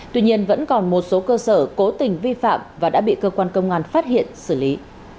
tuy nhiên vẫn còn một số cơ sở cố tình vi phạm và đã bị cơ quan công an phát hiện xử lý